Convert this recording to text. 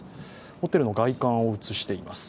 ホテルの外観を映しています。